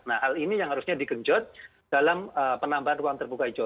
nah hal ini yang harusnya digenjot dalam penambahan ruang terbuka hijau